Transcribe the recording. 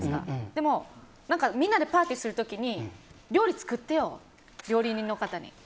でも、みんなでパーティーする時料理作ってよ料理人の方に。